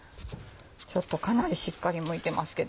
ちょっとかなりしっかりむいてますけどね。